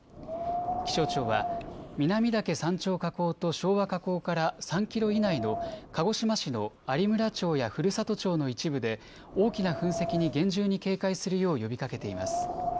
気象庁は南岳山頂火口と昭和火口から３キロ以内の鹿児島市の有村町や古里町の一部で大きな噴石に厳重に警戒するよう呼びかけています。